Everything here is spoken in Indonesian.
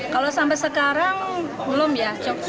kalau sampai sekarang belum ya